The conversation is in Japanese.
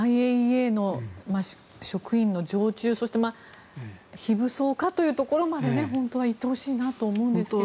ＩＡＥＡの職員の常駐そして非武装化というところまで本当は行ってほしいなと思うんですが。